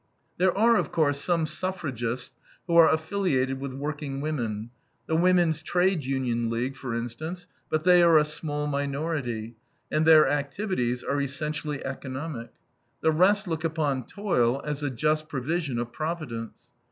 There are, of course, some suffragists who are affiliated with workingwomen the Women's Trade Union League, for instance; but they are a small minority, and their activities are essentially economic. The rest look upon toil as a just provision of Providence.